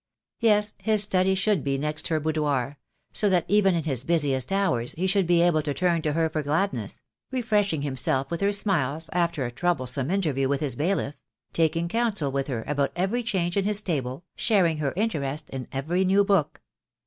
Yes, his study should be next her boudoir; so that even in his busiest hours he should be able to turn to her for gladness — refreshing himself with her smiles after a troublesome interview with his bailiff — taking counsel with her about every change in his stable, sharing her interest in every new book.